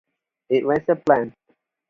It wasn't planned.